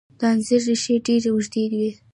د انځر ریښې ډیرې اوږدې وي.